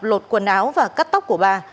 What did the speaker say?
lột quần áo và cắt tóc của bà